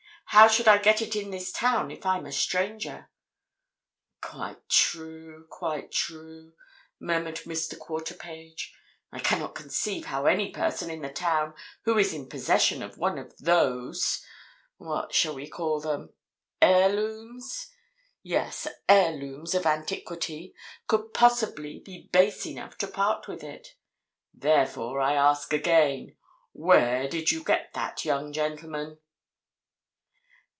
How should I get it in this town if I'm a stranger?" "Quite true, quite true!" murmured Mr. Quarterpage. "I cannot conceive how any person in the town who is in possession of one of those—what shall we call them—heirlooms?—yes, heirlooms of antiquity, could possibly be base enough to part with it. Therefore, I ask again—Where did you get that, young gentleman?"